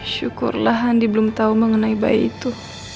syukurlah handi belum tahu mengenai bayi itu